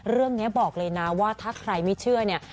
เรื่องนี้บอกเลยนะว่าถ้าใครไม่เชื่อเนี่ย